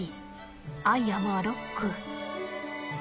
アイアムアロック。